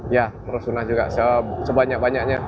ya umroh sunnah juga sebanyak banyaknya